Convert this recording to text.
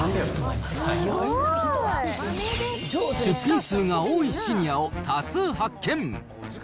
出品数の多いシニアを多数発見。